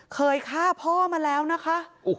เคยฆ่าพ่อมาแล้วนะคะ